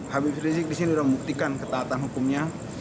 habib rizik di sini sudah membuktikan ketaatan hukumnya